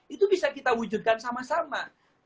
itu bisa kita wujudkan sama sama